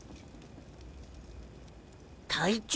隊長？